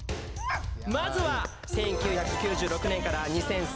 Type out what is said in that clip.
まずは１９９６年から２００３年放送。